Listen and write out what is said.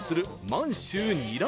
満州にら